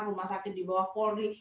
rumah sakit dibawa polri